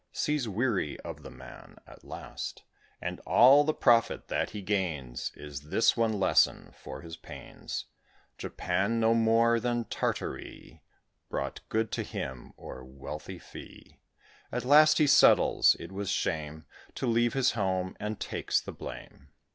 Seas weary of the man at last, And all the profit that he gains Is this one lesson for his pains: Japan, no more than Tartary, Brought good to him or wealthy fee. At last he settles it was shame To leave his home, and takes the blame.